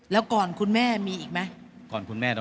แล้วก่อนคุณแม่มีอีกไหม